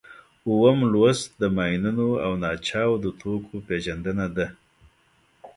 اووم لوست د ماینونو او ناچاودو توکو پېژندنه ده.